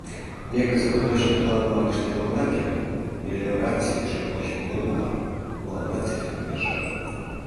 Ме кызыт точный планымак ыштен огына керт, мелиораций ушем почмо годымлан мыланна цифр кӱлешан.